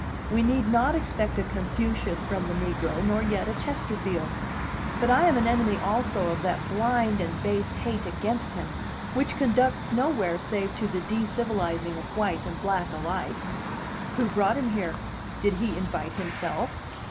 We need not expect a Confucius from the negro, nor yet a Chesterfield; but I am an enemy also of that blind and base hate against him, which conducts nowhere save to the de civilizing of white and black alike. Who brought him here? Did he invite himself?